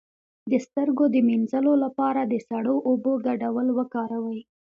د سترګو د مینځلو لپاره د سړو اوبو ګډول وکاروئ